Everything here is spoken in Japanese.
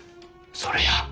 それや！